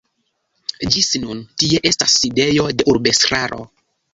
Ĝis nun tie estas sidejo de urbestraro.